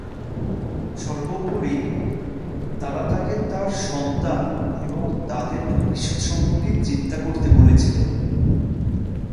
সর্বোপরি, তারা তাকে তার সন্তান এবং তাদের ভবিষ্যত সম্পর্কে চিন্তা করতে বলেছিল।